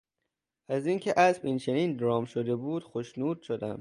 از اینکه اسب این چنین رام شده بود خوشنود شدم.